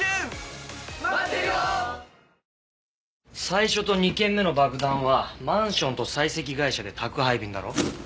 最初と２件目の爆弾はマンションと採石会社で宅配便だろ？